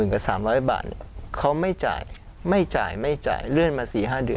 กับ๓๐๐บาทเขาไม่จ่ายไม่จ่ายไม่จ่ายเลื่อนมา๔๕เดือน